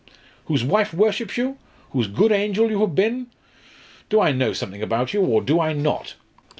"Whose wife worships you? whose good angel you have been? Do I know something about you, or do I not?